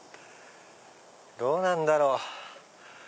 どうなんだろう？